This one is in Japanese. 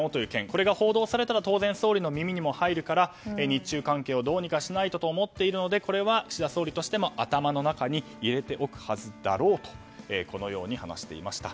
これが報道されたら総理の耳にも入るから日中関係をどうにかしないとと思っているのでこれは岸田総理としても頭の中に入れておくはずだろうとこのように話していました。